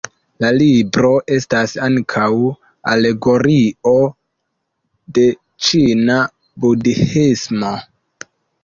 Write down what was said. La libro estas ankaŭ alegorio de ĉina Budhismo.